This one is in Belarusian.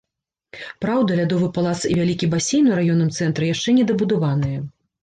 Праўда, лядовы палац і вялікі басейн у раённым цэнтры яшчэ не дабудаваныя.